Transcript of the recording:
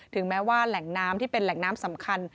แม้ว่าแหล่งน้ำที่เป็นแหล่งน้ำสำคัญ